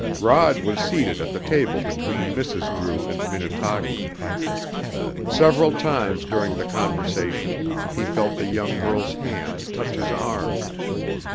Rod was seated at the table between Mrs. Drew and Minnetaki. Several times during the conversation he felt the young girl's hand touch his arm.